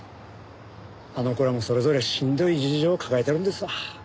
あの子らもそれぞれしんどい事情を抱えてるんですわ。